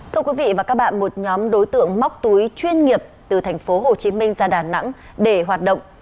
thưa quý vị và các bạn một nhóm đối tượng móc túi chuyên nghiệp từ thành phố hồ chí minh ra đà nẵng để hoạt động